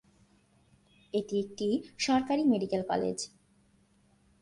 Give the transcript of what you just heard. এটি একটি সরকারি মেডিকেল কলেজ।